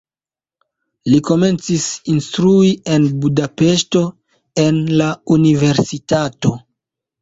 Li komencis instrui en Budapeŝto en la universitato.